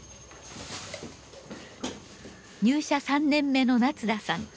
入社３年目の夏田さん。